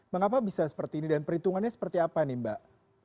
mengapa bisa seperti ini dan perhitungannya seperti apa nih mbak